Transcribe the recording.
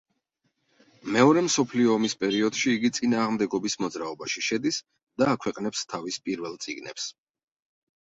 მეორე მსოფლიო ომის პერიოდში იგი წინააღმდეგობის მოძრაობაში შედის და აქვეყნებს თავის პირველ წიგნებს.